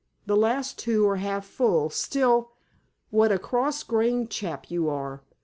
"The last two are half full. Still—" "What a cross grained chap you are?